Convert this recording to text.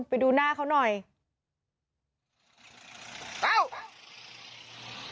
ไปดูหน้าเขาหน่อย